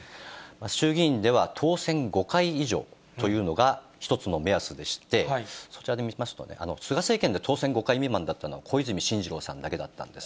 衆議院では当選５回以上というのが、一つの目安でして、そちらで見ますとね、菅政権で当選５回未満だったのは、小泉進次郎さんだけだったんです。